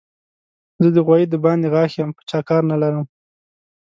زه د غوايي د باندې غاښ يم؛ په چا کار نه لرم.